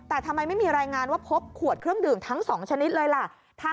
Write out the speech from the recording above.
แต่ทำไมไม่มีรายงานว่าพบขวดเครื่องดื่มทั้ง๒ชนิดเลยล่ะ